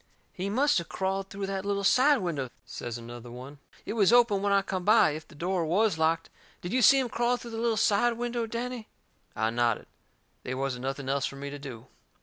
"He must of crawled through that little side window," says another one. "It was open when I come by, if the door WAS locked. Did you see him crawl through the little side window, Danny?" I nodded. They wasn't nothing else fur me to do.